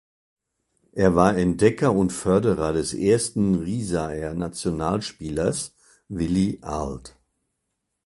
Er war Entdecker und Förderer des ersten Riesaer Nationalspielers, Willi Arlt.